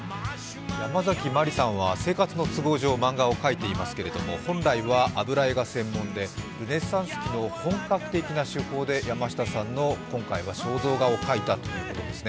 ヤマザキマリさんは生活の都合上、絵を描いていますけれども、本来は油絵が専門で、ルネサンス期の本格的な手法で今回、山下さんの肖像画を描いたということです。